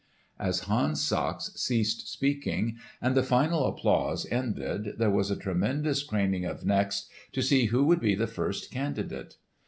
As Hans Sachs ceased speaking, and the final applause ended, there was a tremendous craning of necks to see who would be the first candidate.